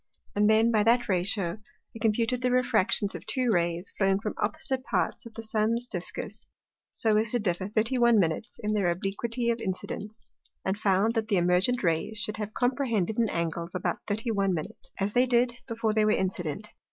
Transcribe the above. And then, by that ratio, I computed the Refractions of two Rays flowing from opposite parts of the Sun's discus, so as to differ 31' in their obliquity of Incidence, and found that the emergent Rays should have comprehended an Angle of about 31', as they did, before they were incident.